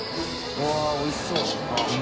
うわっおいしそう。